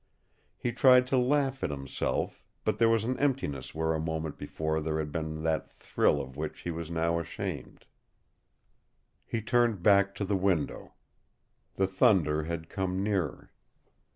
He tried to laugh at himself, but there was an emptiness where a moment before there had been that thrill of which he was now ashamed. He turned back to the window. The thunder had come nearer.